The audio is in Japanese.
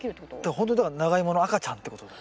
ほんとにだからナガイモの赤ちゃんってことだ。